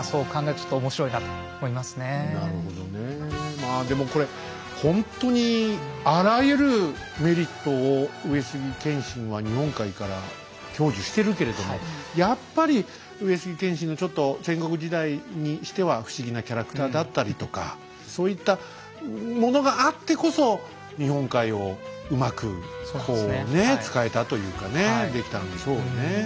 まあでもこれほんとにあらゆるメリットを上杉謙信は日本海から享受してるけれどもやっぱり上杉謙信のちょっと戦国時代にしては不思議なキャラクターだったりとかそういったものがあってこそ日本海をうまくこうね使えたというかねできたんでしょうね。